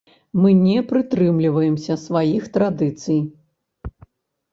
Мы не прытрымліваемся сваіх традыцый.